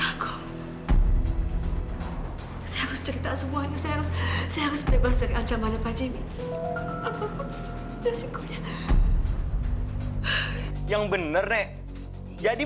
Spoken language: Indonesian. apapun resikonya saya harus tanggung